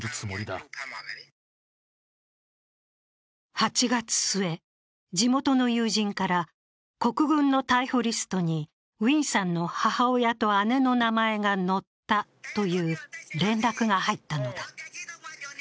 ８月末、地元の友人から国軍の逮捕リストにウィンさんの母親と姉の名前が載ったという連絡が入ったのだ。